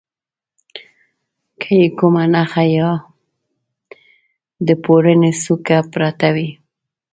که یې کومه نخښه یا د پوړني څوکه پرته وه.